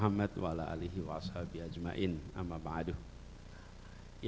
kenapa udah taji mam hati aja blackirk